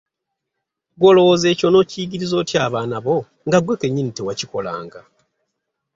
Gwe olowooza ekyo onokiyigiriza otya abaana bo nga ggwe kennyini tewakikolanga.